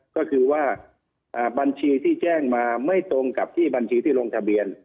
ก็คือว่าบัญชีที่แจ้งมาไม่ตรงกับที่บัญชีที่ลงทะเบียน